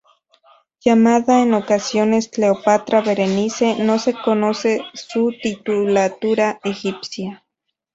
Llamada en ocasiones Cleopatra Berenice, no se conoce su titulatura egipcia.